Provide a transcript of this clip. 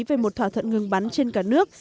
về một thỏa thuận ngừng bắn trên cả nước